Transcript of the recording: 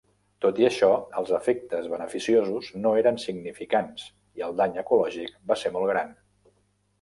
Tot i això, els efectes beneficiosos no eren significants i el dany ecològic va ser molt gran.